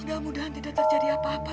mudah mudahan tidak terjadi apa apa